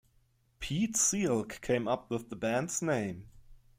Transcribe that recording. Piet Sielck came up with the band's name.